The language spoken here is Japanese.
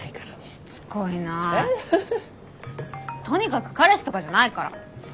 とにかく彼氏とかじゃないから！